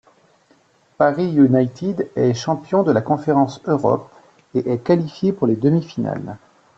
Paris United est champion de la conférence Europe et est qualifié pour les demi-finales.